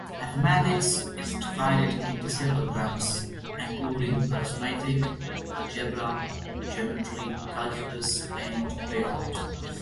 Mathematics is divided into several branches, including arithmetic, algebra, geometry, calculus, and beyond.